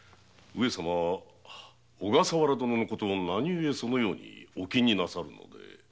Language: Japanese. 小笠原殿のことを何故そのようにお気になさるので？